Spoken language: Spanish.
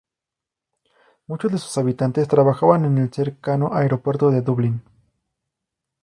Muchos de sus habitantes trabajan en el cercano Aeropuerto de Dublín.